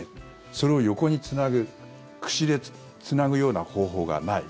それを横につなぐ串でつなぐような方法がない。